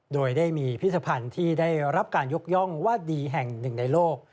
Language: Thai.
โดยได้มีพิธภัณฑ์ที่ได้รับการยกย่องว่าดีแห่งหนึ่งในโลก